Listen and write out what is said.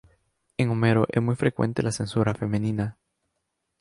En Homero es muy frecuente la cesura femenina.